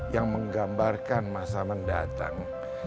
yang menggambarkan masa mendatang